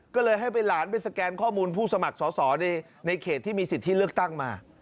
ก็เลยให้ไปหลานไปสแกนข้อมูลผู้สมัครสอสอในเขตที่มีสิทธิเลือกตั้งมา